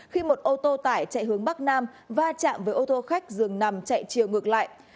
khi một ô tô tải chạy hướng bắc nam va chạm với ô tô khách dường nằm chạy chiều ngược lại